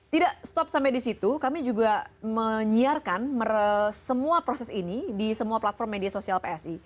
tidak stop sampai di situ kami juga menyiarkan semua proses ini di semua platform media sosial psi